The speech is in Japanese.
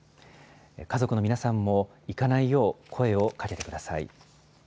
家族の皆さんも行かないよう声をかけてください。